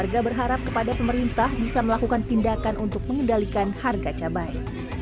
warga berharap kepada pemerintah bisa melakukan tindakan untuk mengendalikan harga cabai